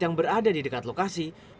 yang berada di dekat lokasi